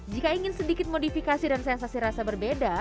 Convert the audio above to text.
jika ingin sedikit modifikasi dan sensasi rasa berbeda